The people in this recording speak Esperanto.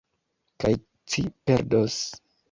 Kaj ci perdos.